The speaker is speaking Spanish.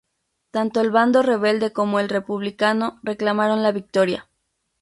Tanto el bando rebelde como el republicano reclamaron la victoria.